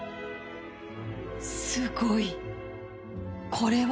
すごいこれは！